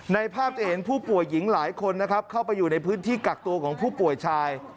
ในภาพจะเห็นผู้ป่วยหญิงหลายคนนะครับเข้าไปอยู่ในพื้นที่กักตัวของผู้ป่วยชาย